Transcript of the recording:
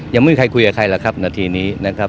ยังไม่มีใครคุยกับใครหรอกครับนาทีนี้นะครับ